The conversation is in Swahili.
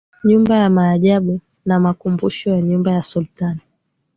Nyumba ya Maajabu na Makumbusho ya Nyumba ya Sultani